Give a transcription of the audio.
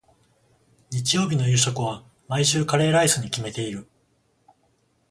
日曜日の夕食は、毎週カレーライスに決めている。